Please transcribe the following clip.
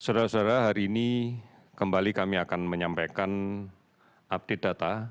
saudara saudara hari ini kembali kami akan menyampaikan update data